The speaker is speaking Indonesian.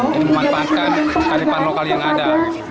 jadi memanfaatkan kalipan lokal yang ada